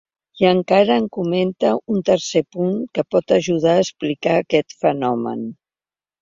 I encara em comenta un tercer punt que pot ajudar a explicar aquest fenomen.